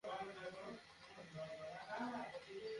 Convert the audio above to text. না, শুনি নাই।